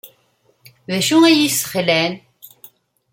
D acu ay iyi-yesxelɛen?